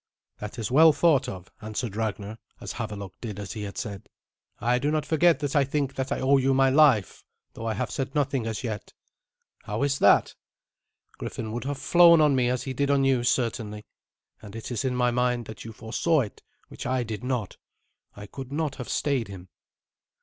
"That is well thought of," answered Ragnar, as Havelok did as he had said. "I do not forget that I think that I owe you my life, though I have said nothing as yet." "How is that?" "Griffin would have flown on me as he did on you, certainly; and it is in my mind that you foresaw it, which I did not. I could not have stayed him."